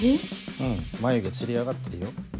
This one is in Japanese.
うん眉毛つり上がってるよ。